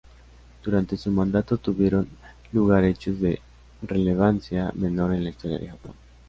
Durante su mandato tuvieron lugar hechos de relevancia menor en la historia de Japón.